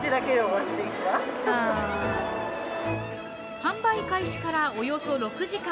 販売開始からおよそ６時間。